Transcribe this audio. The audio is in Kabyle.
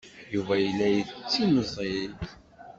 Yuba yella yettimẓiy.